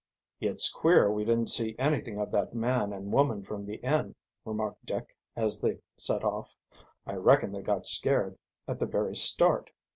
"It's queer we didn't see anything of that man and woman from the inn," remarked Dick, as they set off. "I reckon they got scared at the very start."